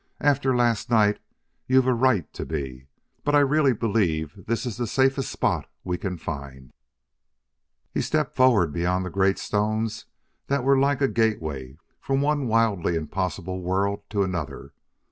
"After last night, you've a right to be. But I really believe this is the safest spot we can find." He stepped forward beyond the great stones that were like a gateway from one wildly impossible world to another.